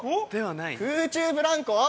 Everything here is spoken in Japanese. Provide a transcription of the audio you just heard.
◆空中ブランコ？